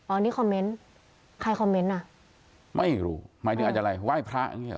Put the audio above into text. อันนี้คอมเมนต์ใครคอมเมนต์อ่ะไม่รู้หมายถึงอาจจะอะไรไหว้พระ